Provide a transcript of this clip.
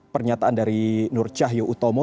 pernyataan dari nur cahyutomo